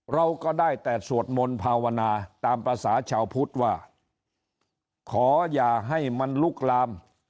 เราก็ได้แต่สวดมนต์ภาวนาตามภาษาชาวพุทธว่าขออย่าให้มันลุกลาม